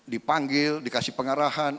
dipanggil dikasih pengarahan